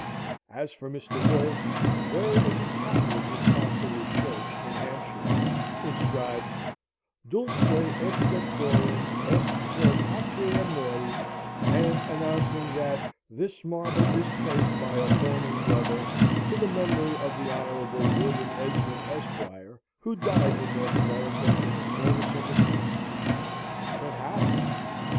As for Mr. Will: there is a tablet in Castlewood Church, in Hampshire, inscribed, Dulce et decorum est pro patria mori, and announcing that "This marble is placed by a mourning brother, to the memory of the Honourable William Esmond, Esquire, who died in North America, in the service of his King." But how?